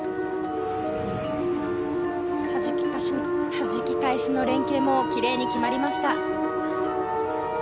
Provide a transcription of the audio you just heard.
はじき返しの連係もきれいに決まりました。